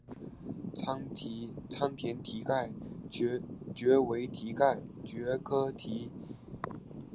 仓田蹄盖蕨为蹄盖蕨科蹄盖蕨属下的一个种。